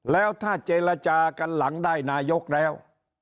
แล้วถ้าเจรจากันหลังได้นายกแล้ว